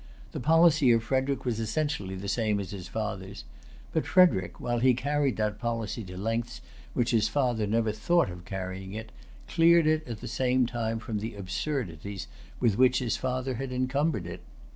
The policy of Frederic was essentially the same as his father's; but Frederic, while he carried that policy to lengths to which his father never thought of carrying it, cleared it at the same time from the absurdities with which his father had encumbered it.